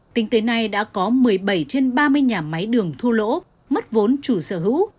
tính tới nay đã có một mươi bảy trên ba mươi nhà máy đường thu lỗ mất vốn chủ sở hữu